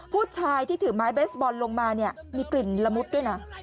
ผู้ชายที่ถือไม้เบสบอลลงมาเนี่ยมีกลิ่นละมุดด้วยนะ